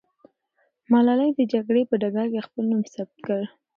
ملالۍ د جګړې په ډګر کې خپل نوم ثبت کړ.